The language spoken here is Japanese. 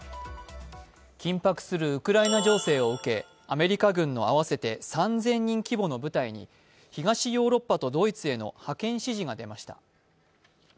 緊迫するウクライナ情勢を受け、アメリカ軍の合わせて３０００人規模の部隊に、東ヨーロッパとドイツへの派遣指示が出ました。